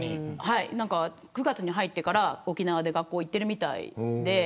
９月に入ってから沖縄で学校に行ってるみたいで。